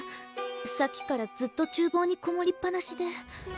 さっきからずっとちゅうぼうにこもりっぱなしで。